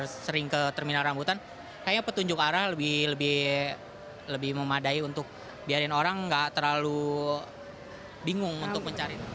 saya sering ke terminal rambutan kayaknya petunjuk arah lebih memadai untuk biarin orang nggak terlalu bingung untuk mencari